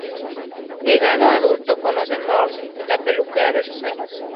Llegado a adulto, conoce a Mathilde, la peluquera de sus sueños.